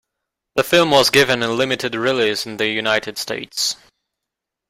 The film was given a limited release in the United States.